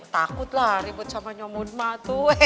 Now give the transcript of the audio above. takut lah ribut sama nyomudma tuh